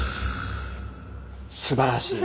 すばらしい！